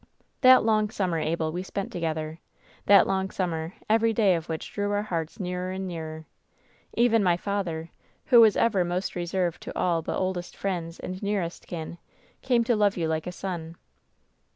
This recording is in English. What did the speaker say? ':?^* "That long summer, Abel, we spent together! That •\ long summer, every day of which drew our hearts nearer '''■ and nearer! Even my father, who was ever most re ^: served to all but oldest friends and nearest kin, came to love you like a son.